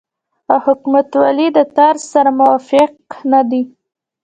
او حکومتولۍ د طرز سره موافق نه دي